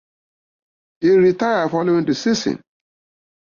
He retired following the season.